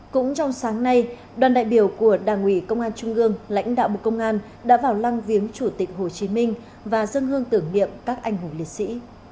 cũng trong sáng nay đoàn đại biểu của đảng ủy công an trung ương lãnh đạo bộ công an đã vào lăng viếng chủ tịch hồ chí minh và dân hương tưởng niệm các anh hùng liệt sĩ